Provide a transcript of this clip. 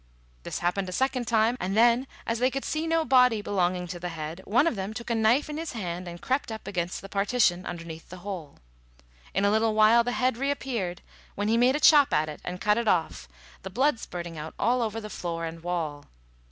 This happened a second time, and then, as they could see no body belonging to the head, one of them took a knife in his hand and crept up against the partition underneath the hole. In a little while the head re appeared, when he made a chop at it and cut it off, the blood spurting out all over the floor and wall.